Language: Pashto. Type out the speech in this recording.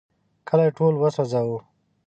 کلی ټول وسوځاوه.